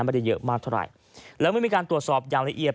ไม่ได้เยอะมากเท่าไหร่แล้วเมื่อมีการตรวจสอบอย่างละเอียด